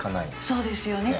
そうですよね